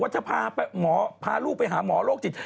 บอกว่าถ้าพาลูกไปหาหมอโลกจิต